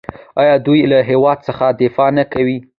آیا دوی له هیواد څخه دفاع نه کوي؟